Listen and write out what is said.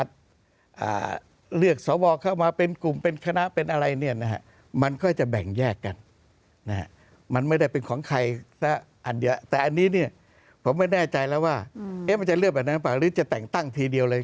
แต่อันนี้เนี่ยผมไม่แน่ใจแล้วว่ามันจะเลือกแบบนั้นหรือเปล่าหรือจะแต่งตั้งทีเดียวเลย